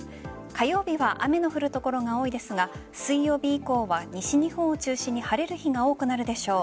火曜日は雨の降る所が多いですが水曜日以降は西日本を中心に晴れる日が多くなるでしょう。